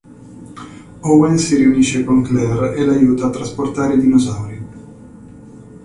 Owen si riunisce con Claire e la aiuta a trasportare i dinosauri.